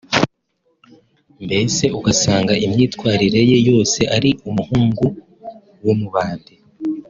mbese ugasanga imyitwarire ye yose ari umuhungu mu bandi